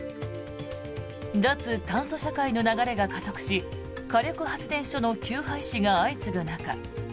脱炭素社会の流れが加速し火力発電所の休廃止が相次ぐ中